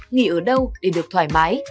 nghỉ ở đâu để được thoải mái